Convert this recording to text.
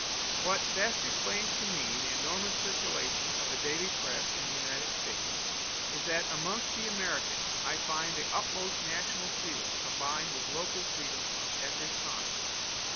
What best explains to me the enormous circulation of the daily press in the United States, is that amongst the Americans I find the utmost national freedom combined with local freedom of every kind.